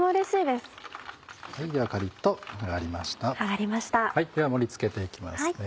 では盛り付けて行きますね。